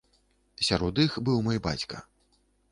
Сярод іх быў мой бацька.